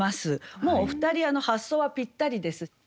もうお二人発想はぴったりです。